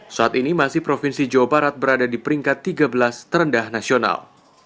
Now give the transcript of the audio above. saat ini masih provinsi jawa barat berada di peringkat tiga belas terendah nasional